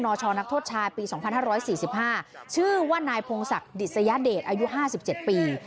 ชนักโทษชายปี๒๕๔๕ชื่อว่านายพงศักดิษยเดชอายุ๕๗ปี